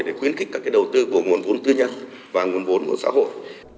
để khuyến khích các cái đầu tư của nguồn vốn tư nhân và nguồn vốn của xã hội